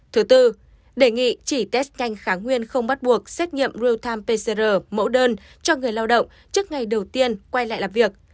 thứ tư đề nghị chỉ test nhanh kháng nguyên không bắt buộc xét nghiệm real time pcr mẫu đơn cho người lao động trước ngày đầu tiên quay lại làm việc